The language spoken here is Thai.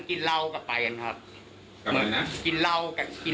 กินหมดเลยใช่ครับมันไม่คุ้มเลยเนี่ยเลี่ยงไหว้กระดีเนี่ย